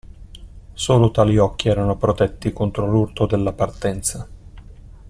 Solo tali occhi erano protetti contro l'urto della partenza.